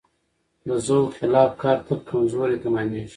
د ذوق خلاف کار تل کمزوری تمامېږي.